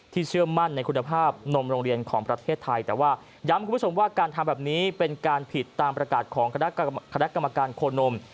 เชื่อมั่นในคุณภาพนมโรงเรียนของประเทศไทยแต่ว่าย้ำคุณผู้ชมว่าการทำแบบนี้เป็นการผิดตามประกาศของคณะกรรมการโคนม